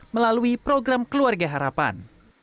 melalui program keluarga harapan